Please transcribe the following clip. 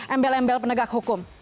embel embel penegak hukum